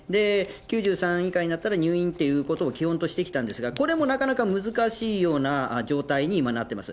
９３以下になったら入院っていうことを基本としてきたんですが、これもなかなか難しいような状態に今、なってます。